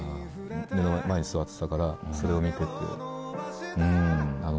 目の前に座ってたから、それを見てて。